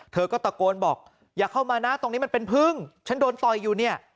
เธอก็ตะโกนบอกอย่าเข้ามานะตรงนี้มันเป็นพึ่งฉันโดนต่อยอยู่เนี่ย